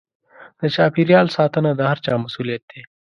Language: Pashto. د چاپېريال ساتنه د هر چا مسووليت دی.